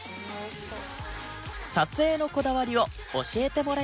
撮影のこだわりを教えてもらいました